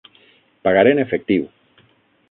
Pagaré en efectiu.